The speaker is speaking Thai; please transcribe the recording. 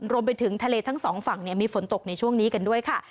รวมไปถึงทะเลทั้งสองฝั่งมีฝนตกในช่วงนี้กันด้วยค่ะ